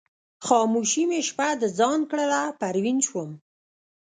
خاموشي مې شپه د ځان کړله پروین شوم